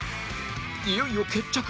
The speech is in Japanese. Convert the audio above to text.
いよいよ決着！